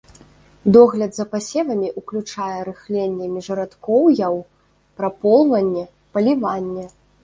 Догляд за пасевамі ўключае рыхленне міжрадкоўяў, праполванне, паліванне.